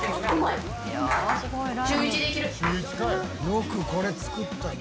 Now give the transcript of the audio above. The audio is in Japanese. よくこれ作ったな。